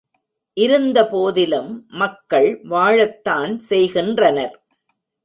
இருந்தபோதிலும், மக்கள் வாழத்தான் செய்கின்றனர்.